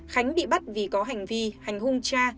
khánh bị bắt vì có hành vi hành hung cha